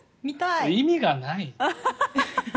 意味がない。